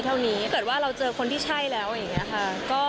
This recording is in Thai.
เท่านี้ถ้าเกิดว่าเราเจอคนที่ใช่แล้วอย่างนี้ค่ะ